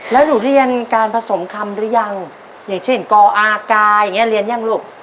แล้วหนูเรียนการผสมคำหรือยังอย่างเช่นกอากายอย่างเงี้เรียนยังลูก